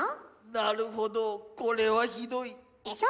なるほどこれはひどい。でしょ？